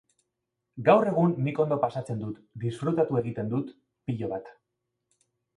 Gaur egun nik ondo pasatzen dut, disfrutatu egiten dut, pilo bat.